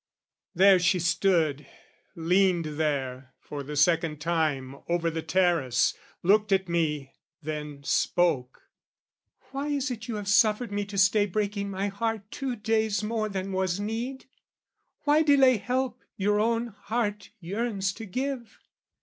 There she stood leaned there, for the second time, Over the terrace, looked at me, then spoke: "Why is it you have suffered me to stay "Breaking my heart two days more than was need? "Why delay help, your own heart yearns to give?